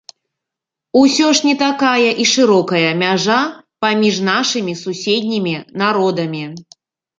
Усё ж не такая і шырокая мяжа паміж нашымі суседнімі народамі.